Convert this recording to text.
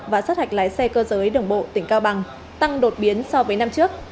và sát hạch lái xe cơ giới đường bộ tỉnh cao bằng tăng đột biến so với năm trước